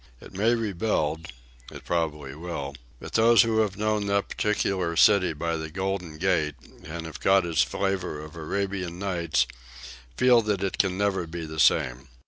It may rebuild; it probably will; but those who have known that peculiar city by the Golden Gate and have caught its flavor of the Arabian Nights feel that it can never be the same.